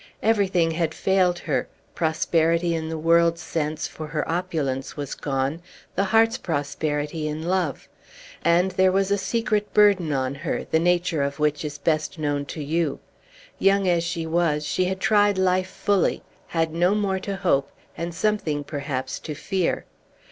Everything had failed her; prosperity in the world's sense, for her opulence was gone, the heart's prosperity, in love. And there was a secret burden on her, the nature of which is best known to you. Young as she was, she had tried life fully, had no more to hope, and something, perhaps, to fear.